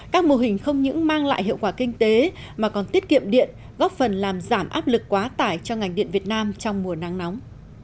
các mô hình không những mang lại hiệu quả kinh tế mà còn tiết kiệm điện góp phần làm giảm áp lực quá tải cho ngành điện việt nam trong mùa nắng nóng